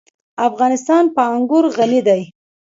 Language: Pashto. افغانستان په انګور غني دی.